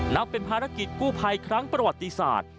นับเป็นภารกิจกู้ภัยครั้งประวัติศาสตร์